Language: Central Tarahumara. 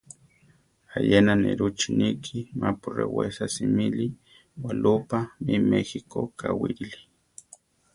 Ayena nirú chiníki mapu rewésa simili walúpa mí méjiko kawírili.